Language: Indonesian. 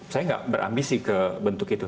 saya nggak berambisi ke bentuk itu